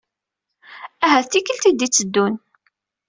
Ahat tikkelt ay d-itteddun!